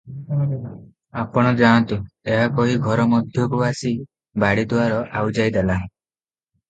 ଆପଣ ଯାଆନ୍ତୁ" ଏହା କହି ଘର ମଧ୍ୟକୁ ଆସି ବାଡ଼ି ଦୁଆର ଆଉଜାଇ ଦେଲା ।